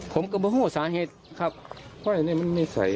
ผมกระบะโห้สาเหตุครับเพราะอันนี้มันไม่ใส่